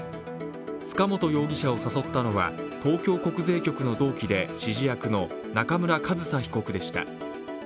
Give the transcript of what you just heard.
塚本容疑者を誘ったのは東京国税局の同期で指示役の中村上総被告でした。